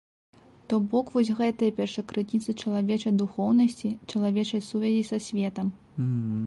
То бок вось гэтая першакрыніца чалавечай духоўнасці, чалавечай сувязі са светам.